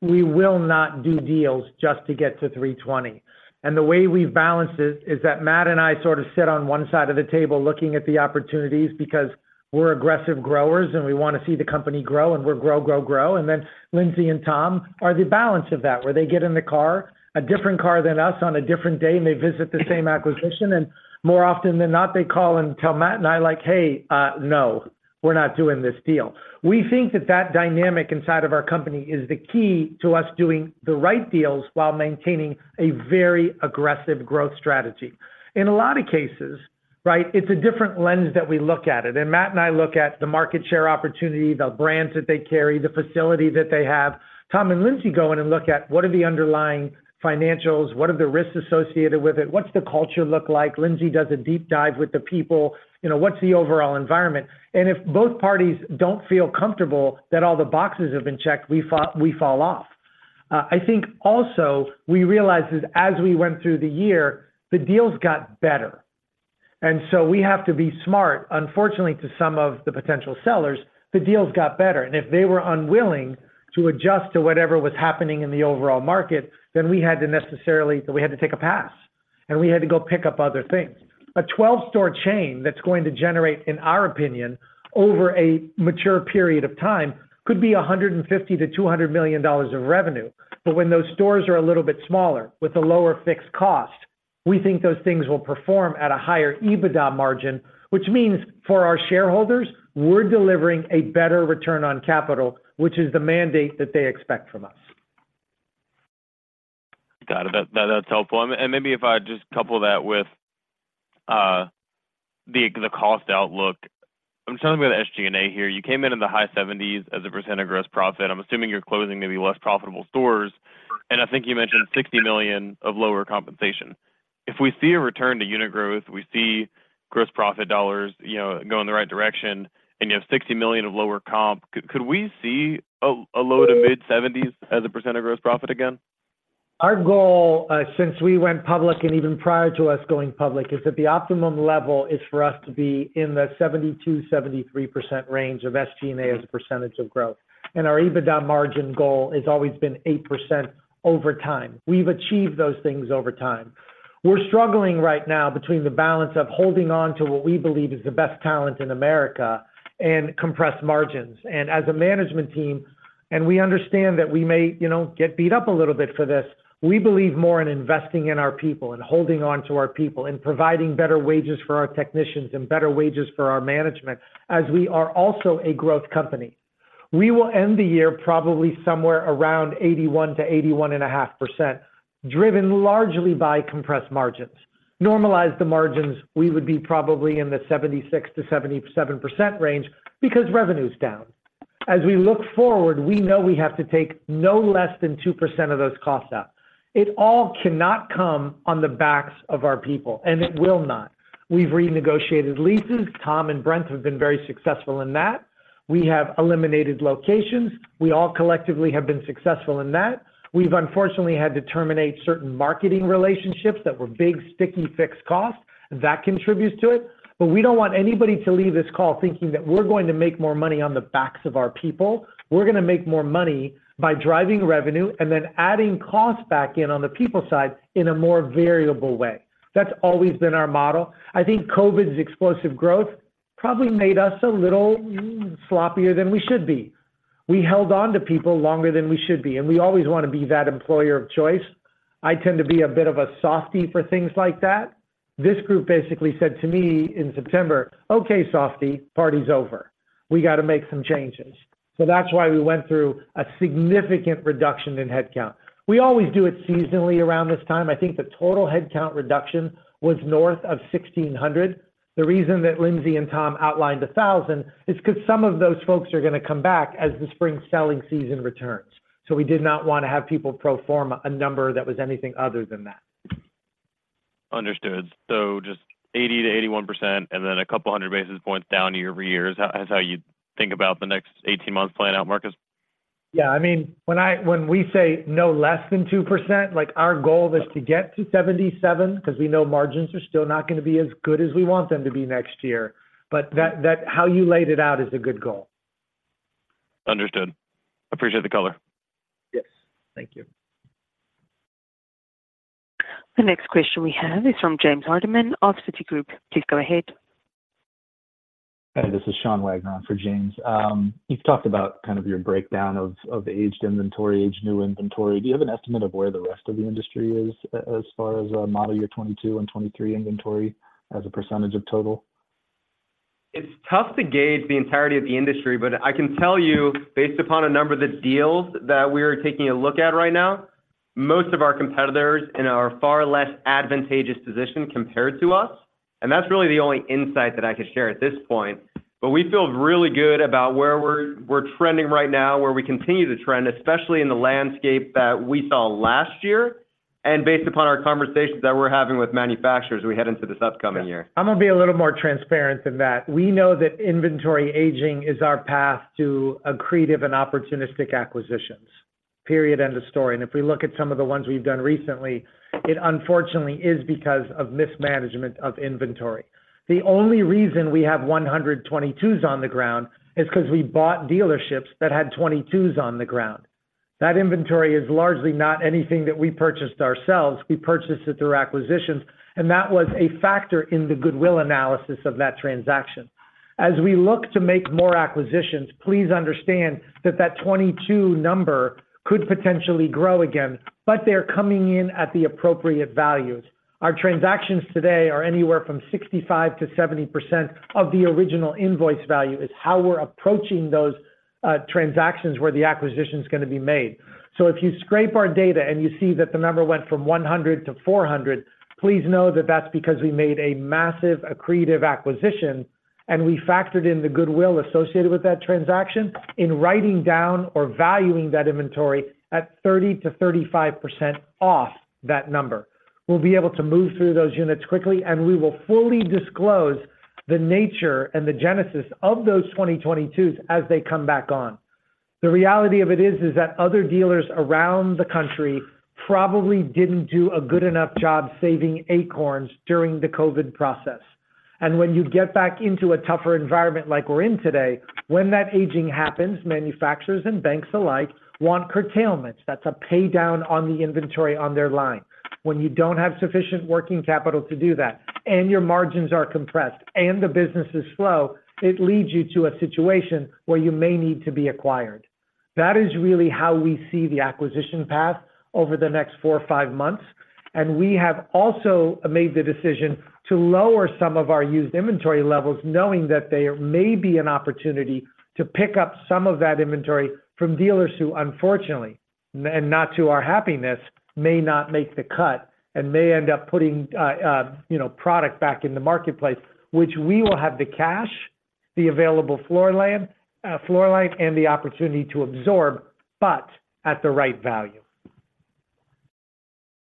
we will not do deals just to get to 320. And the way we balance it is that Matt and I sort of sit on one side of the table looking at the opportunities because we're aggressive growers, and we wanna see the company grow, and we're grow, grow, grow. And then Lindsey and Tom are the balance of that, where they get in the car, a different car than us on a different day, and they visit the same acquisition. More often than not, they call and tell Matt and I like: "Hey, no, we're not doing this deal." We think that that dynamic inside of our company is the key to us doing the right deals while maintaining a very aggressive growth strategy. In a lot of cases, right, it's a different lens that we look at it. And Matt and I look at the market share opportunity, the brands that they carry, the facility that they have. Tom and Lindsey go in and look at what are the underlying financials? What are the risks associated with it? What's the culture look like? Lindsey does a deep dive with the people. You know, what's the overall environment? And if both parties don't feel comfortable that all the boxes have been checked, we fall off. I think also we realized that as we went through the year, the deals got better, and so we have to be smart. Unfortunately, to some of the potential sellers, the deals got better, and if they were unwilling to adjust to whatever was happening in the overall market, then we had to necessarily... We had to take a pass, and we had to go pick up other things. A 12-store chain that's going to generate, in our opinion, over a mature period of time, could be $150 million-$200 million of revenue. But when those stores are a little bit smaller with a lower fixed cost, we think those things will perform at a higher EBITDA margin, which means for our shareholders, we're delivering a better return on capital, which is the mandate that they expect from us. Got it. That that's helpful. And maybe if I just couple that with the cost outlook. I'm talking about SG&A here. You came in in the high 70s% of gross profit. I'm assuming you're closing maybe less profitable stores, and I think you mentioned $60 million of lower compensation. If we see a return to unit growth, we see gross profit dollars, you know, go in the right direction, and you have $60 million of lower comp, could we see a low-to-mid 70s as a percentage of gross profit again? Our goal since we went public and even prior to us going public is that the optimum level is for us to be in the 72%-73% range of SG&A as a percentage of growth. And our EBITDA margin goal has always been 8% over time. We've achieved those things over time. We're struggling right now between the balance of holding on to what we believe is the best talent in America and compressed margins. And as a management team, and we understand that we may, you know, get beat up a little bit for this, we believe more in investing in our people and holding on to our people, and providing better wages for our technicians and better wages for our management, as we are also a growth company. We will end the year probably somewhere around 81%-81.5%, driven largely by compressed margins. Normalize the margins, we would be probably in the 76%-77% range because revenue's down. As we look forward, we know we have to take no less than 2% of those costs out. It all cannot come on the backs of our people, and it will not. We've renegotiated leases. Tom and Brent have been very successful in that. We have eliminated locations. We all collectively have been successful in that. We've unfortunately had to terminate certain marketing relationships that were big, sticky, fixed costs, and that contributes to it. But we don't want anybody to leave this call thinking that we're going to make more money on the backs of our people. We're gonna make more money by driving revenue and then adding costs back in on the people side in a more variable way. That's always been our model. I think COVID's explosive growth probably made us a little sloppier than we should be. We held on to people longer than we should be, and we always wanna be that employer of choice. I tend to be a bit of a softie for things like that. This group basically said to me in September: "Okay, softie, party's over. We got to make some changes." So that's why we went through a significant reduction in headcount. We always do it seasonally around this time. I think the total headcount reduction was north of 1,600. The reason that Lindsey and Tom outlined 1,000 is 'cause some of those folks are gonna come back as the spring selling season returns. So we did not wanna have people pro forma a number that was anything other than that. Understood. So just 80%-81% and then a couple hundred basis points down year-over-year, is how, is how you think about the next 18 months playing out, Marcus? Yeah. I mean, when I, when we say no less than 2%, like, our goal is to get to 77, 'cause we know margins are still not gonna be as good as we want them to be next year. But that, that, how you laid it out is a good goal. Understood. Appreciate the color. Yes. Thank you. The next question we have is from James Hardiman of Citigroup. Please go ahead. Hi, this is Sean Wagner in for James. You've talked about kind of your breakdown of aged inventory, aged new inventory. Do you have an estimate of where the rest of the industry is as far as model year 2022 and 2023 inventory as a percentage of total?... It's tough to gauge the entirety of the industry, but I can tell you, based upon a number of the deals that we are taking a look at right now, most of our competitors in are far less advantageous position compared to us, and that's really the only insight that I could share at this point. But we feel really good about where we're, we're trending right now, where we continue to trend, especially in the landscape that we saw last year, and based upon our conversations that we're having with manufacturers, we head into this upcoming year. I'm gonna be a little more transparent than that. We know that inventory aging is our path to accretive and opportunistic acquisitions, period, end of story. And if we look at some of the ones we've done recently, it unfortunately is because of mismanagement of inventory. The only reason we have 100 22s on the ground is 'cause we bought dealerships that had 22s on the ground. That inventory is largely not anything that we purchased ourselves, we purchased it through acquisitions, and that was a factor in the goodwill analysis of that transaction. As we look to make more acquisitions, please understand that that 22 number could potentially grow again, but they're coming in at the appropriate values. Our transactions today are anywhere from 65%-70% of the original invoice value, is how we're approaching those, transactions where the acquisition is gonna be made. So if you scrape our data and you see that the number went from 100 to 400, please know that that's because we made a massive accretive acquisition, and we factored in the goodwill associated with that transaction in writing down or valuing that inventory at 30%-35% off that number. We'll be able to move through those units quickly, and we will fully disclose the nature and the genesis of those 2022s as they come back on. The reality of it is, is that other dealers around the country probably didn't do a good enough job saving acorns during the COVID process. And when you get back into a tougher environment like we're in today, when that aging happens, manufacturers and banks alike want curtailments. That's a pay down on the inventory on their line. When you don't have sufficient working capital to do that, and your margins are compressed, and the business is slow, it leads you to a situation where you may need to be acquired. That is really how we see the acquisition path over the next four or five months, and we have also made the decision to lower some of our used inventory levels, knowing that there may be an opportunity to pick up some of that inventory from dealers who, unfortunately, and not to our happiness, may not make the cut and may end up putting, you know, product back in the marketplace, which we will have the cash, the available floor plan, floor line, and the opportunity to absorb, but at the right value.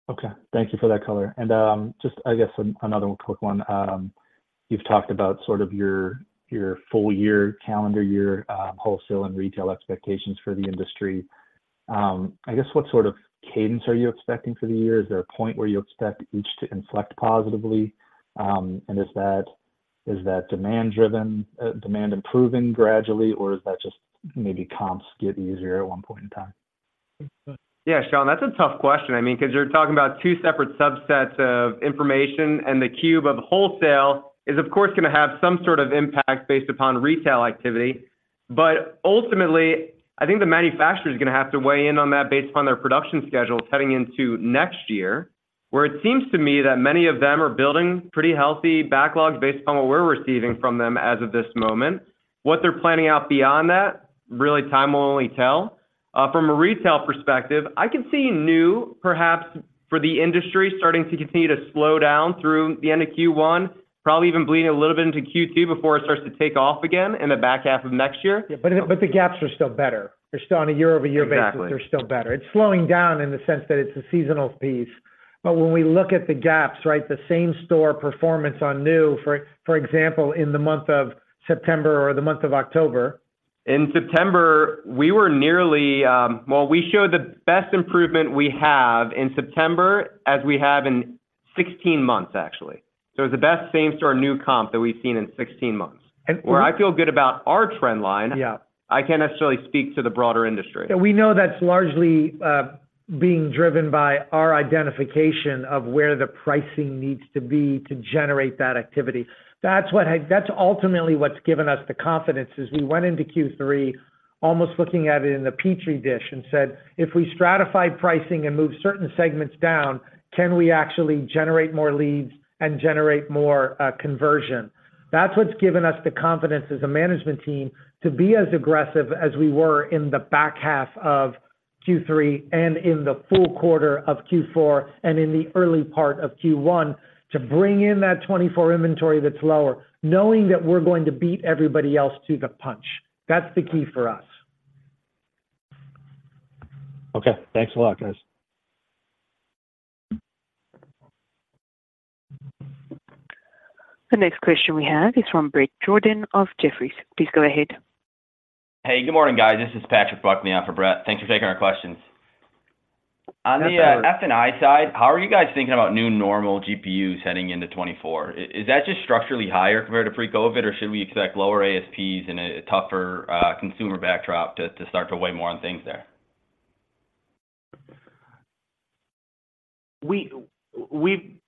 Okay, thank you for that color. And, just I guess another quick one. You've talked about sort of your full year, calendar year, wholesale and retail expectations for the industry. I guess, what sort of cadence are you expecting for the year? Is there a point where you expect each to inflect positively? And is that, is that demand driven, demand improving gradually, or is that just maybe comps get easier at one point in time? Yeah, Sean, that's a tough question. I mean, 'cause you're talking about two separate subsets of information, and the cube of wholesale is, of course, gonna have some sort of impact based upon retail activity. But ultimately, I think the manufacturer is gonna have to weigh in on that based upon their production schedules heading into next year, where it seems to me that many of them are building pretty healthy backlogs based upon what we're receiving from them as of this moment. What they're planning out beyond that, really, time will only tell. From a retail perspective, I can see new, perhaps for the industry, starting to continue to slow down through the end of Q1, probably even bleeding a little bit into Q2 before it starts to take off again in the back half of next year. Yeah, but the gaps are still better. They're still on a year-over-year basis- Exactly. They're still better. It's slowing down in the sense that it's a seasonal piece. But when we look at the gaps, right, the same store performance on new, for example, in the month of September or the month of October. In September, well, we showed the best improvement we have in September as we have in 16 months, actually. So it's the best same-store new comp that we've seen in 16 months. And we- Where I feel good about our trend line- Yeah. I can't necessarily speak to the broader industry. Yeah, we know that's largely being driven by our identification of where the pricing needs to be to generate that activity. That's what that's ultimately what's given us the confidence, is we went into Q3 almost looking at it in a petri dish and said, "If we stratify pricing and move certain segments down, can we actually generate more leads and generate more conversion?" That's what's given us the confidence as a management team to be as aggressive as we were in the back half of Q3, and in the full quarter of Q4, and in the early part of Q1, to bring in that 2024 inventory that's lower, knowing that we're going to beat everybody else to the punch. That's the key for us. Okay. Thanks a lot, guys. The next question we have is from Bret Jordan of Jefferies. Please go ahead. Hey, good morning, guys. This is Patrick Buckley on for Bret. Thank you for taking our questions. On the F&I side, how are you guys thinking about new normal GPUs heading into 2024? Is that just structurally higher compared to pre-COVID, or should we expect lower ASPs and a tougher consumer backdrop to start to weigh more on things there? We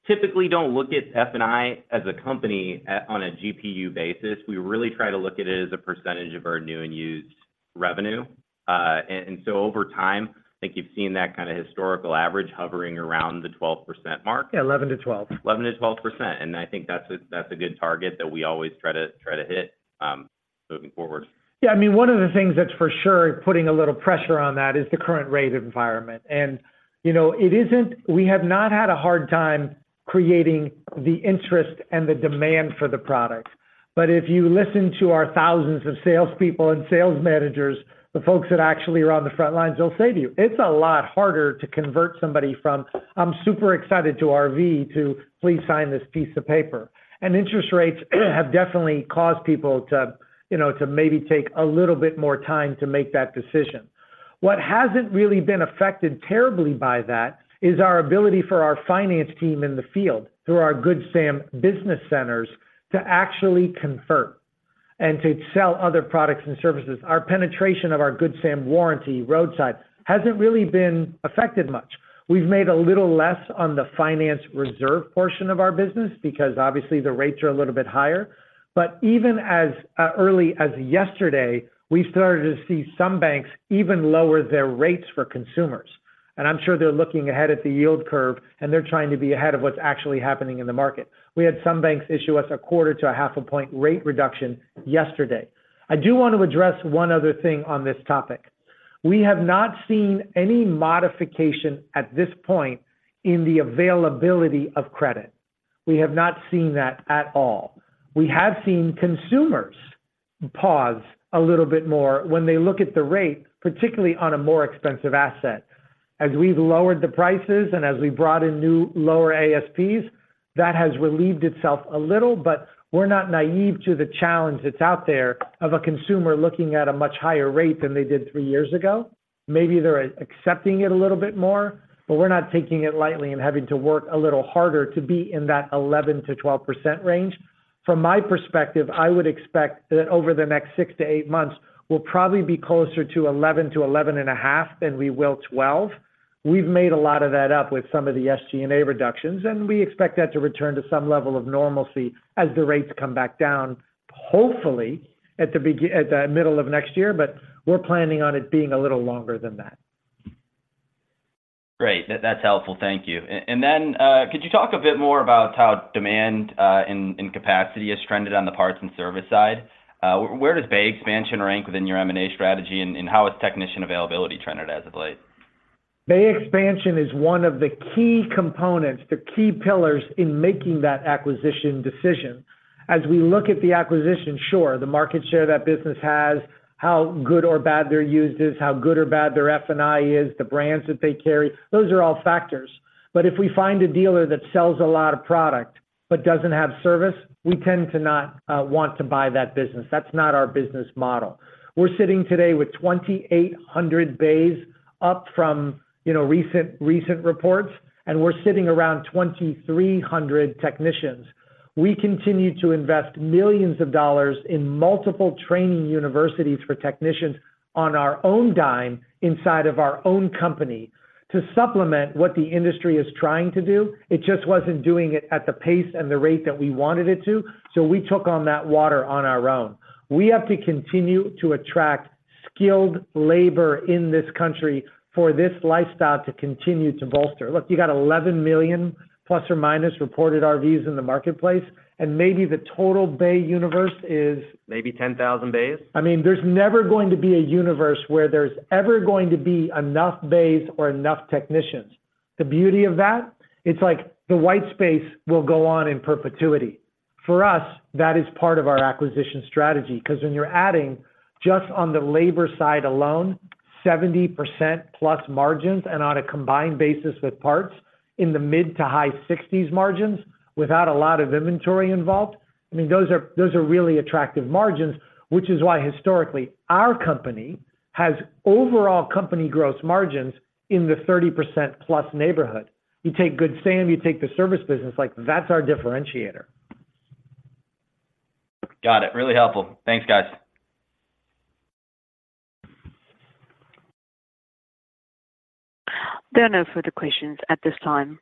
typically don't look at F&I as a company at on a GPU basis. We really try to look at it as a percentage of our new and used... revenue. And so over time, I think you've seen that kind of historical average hovering around the 12% mark? Yeah, 11%-12%. 11%-12%, and I think that's a, that's a good target that we always try to, try to hit, moving forward. Yeah, I mean, one of the things that's for sure putting a little pressure on that is the current rate environment. And, you know, it isn't, we have not had a hard time creating the interest and the demand for the product. But if you listen to our thousands of salespeople and sales managers, the folks that actually are on the front lines, they'll say to you, "It's a lot harder to convert somebody from I'm super excited to RV, to please sign this piece of paper." And interest rates have definitely caused people to, you know, to maybe take a little bit more time to make that decision. What hasn't really been affected terribly by that is our ability for our finance team in the field, through our Good Sam Business Centers, to actually convert and to sell other products and services. Our penetration of our Good Sam warranty roadside hasn't really been affected much. We've made a little less on the finance reserve portion of our business because obviously the rates are a little bit higher. But even as early as yesterday, we started to see some banks even lower their rates for consumers. And I'm sure they're looking ahead at the yield curve, and they're trying to be ahead of what's actually happening in the market. We had some banks issue us a 0.25-0.5 point rate reduction yesterday. I do want to address one other thing on this topic. We have not seen any modification at this point in the availability of credit. We have not seen that at all. We have seen consumers pause a little bit more when they look at the rate, particularly on a more expensive asset. As we've lowered the prices and as we've brought in new lower ASPs, that has relieved itself a little, but we're not naive to the challenge that's out there of a consumer looking at a much higher rate than they did three years ago. Maybe they're accepting it a little bit more, but we're not taking it lightly and having to work a little harder to be in that 11%-12% range. From my perspective, I would expect that over the next six to eight months, we'll probably be closer to 11-11.5 than we will 12. We've made a lot of that up with some of the SG&A reductions, and we expect that to return to some level of normalcy as the rates come back down, hopefully at the middle of next year, but we're planning on it being a little longer than that. Great. That's helpful. Thank you. And then, could you talk a bit more about how demand in capacity has trended on the parts and service side? Where does bay expansion rank within your M&A strategy, and how is technician availability trended as of late? Bay expansion is one of the key components, the key pillars in making that acquisition decision. As we look at the acquisition, sure, the market share that business has, how good or bad their used is, how good or bad their F&I is, the brands that they carry, those are all factors. But if we find a dealer that sells a lot of product but doesn't have service, we tend to not want to buy that business. That's not our business model. We're sitting today with 2,800 bays up from, you know, recent, recent reports, and we're sitting around 2,300 technicians. We continue to invest millions of dollars in multiple training universities for technicians on our own dime inside of our own company to supplement what the industry is trying to do. It just wasn't doing it at the pace and the rate that we wanted it to, so we took on that water on our own. We have to continue to attract skilled labor in this country for this lifestyle to continue to bolster. Look, you got 11 million± reported RVs in the marketplace, and maybe the total bay universe is- Maybe 10,000 bays. I mean, there's never going to be a universe where there's ever going to be enough bays or enough technicians. The beauty of that, it's like the white space will go on in perpetuity. For us, that is part of our acquisition strategy, 'cause when you're adding just on the labor side alone, 70%+ margins and on a combined basis with parts in the mid- to high-60s margins without a lot of inventory involved, I mean, those are, those are really attractive margins. Which is why historically, our company has overall company gross margins in the 30%+ neighborhood. You take Good Sam, you take the service business, like that's our differentiator. Got it. Really helpful. Thanks, guys. There are no further questions at this time.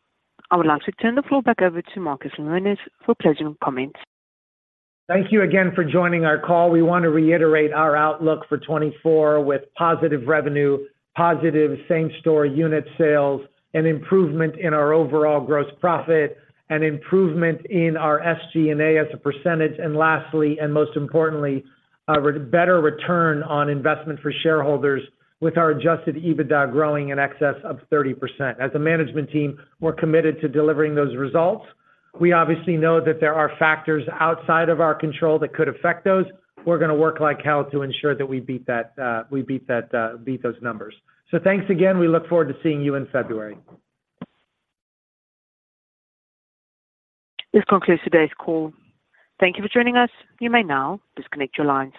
I would like to turn the floor back over to Marcus Lemonis for closing comments. Thank you again for joining our call. We want to reiterate our outlook for 2024 with positive revenue, positive same-store unit sales, an improvement in our overall gross profit, an improvement in our SG&A as a percentage. And lastly, and most importantly, a better return on investment for shareholders with our adjusted EBITDA growing in excess of 30%. As a management team, we're committed to delivering those results. We obviously know that there are factors outside of our control that could affect those. We're gonna work like hell to ensure that we beat that, we beat that, beat those numbers. Thanks again. We look forward to seeing you in February. This concludes today's call. Thank you for joining us. You may now disconnect your lines.